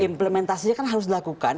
implementasinya kan harus dilakukan